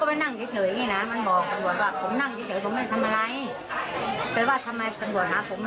ก็ไม่เป็นคนเรียกหรอกค่ะที่นี่ฉันถูกไปฉันก็เลยถาม